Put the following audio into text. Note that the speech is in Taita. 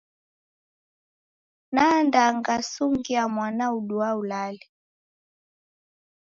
Nanda ngasungia mwana uduaa ulale.